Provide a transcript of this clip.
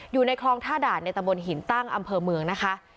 อยู่ในคลองท่าด่านในตะบนหินตั้งอำเภอเมืองนะคะ